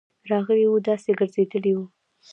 راغلی وو، داسي ګرځيدلی وو: